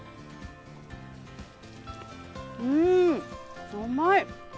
うーん、甘い。